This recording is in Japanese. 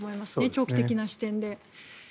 長期的な視点で。